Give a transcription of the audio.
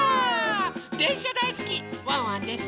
でんしゃだいすきワンワンです！